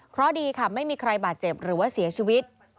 เพราะดีค่ะไม่มีใครบาดเจ็บหรือว่าเสียชีวิต